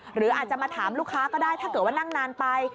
หรืออาจจะมาถามลูกค้าก็ได้ถ้าเกิดว่านั่งนานไป